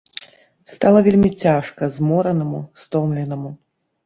Стала вельмі цяжка зморанаму, стомленаму.